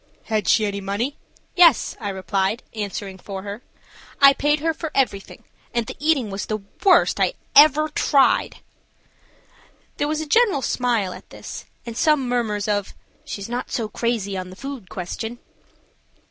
"Had she any money?" "Yes," I replied, answering for her, "I paid her for everything, and the eating was the worst I ever tried." There was a general smile at this, and some murmurs of "She's not so crazy on the food question."